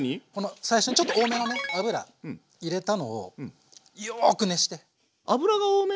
最初にちょっと多めのね油入れたのをよく熱して。